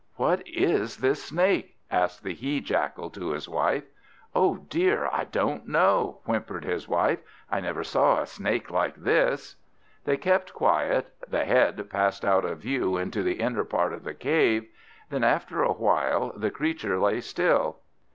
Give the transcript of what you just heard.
"What is this snake?" said the He jackal to his wife. "Oh dear, I don't know!" whimpered his wife, "I never saw a snake like this." They kept quiet, the head passed out of view into the inner part of the cave; then after a while, the creature lay still.